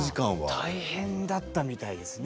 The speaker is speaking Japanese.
大変だったみたいですね。